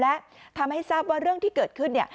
และทำให้ทราบว่าเรื่องที่เกิดขึ้น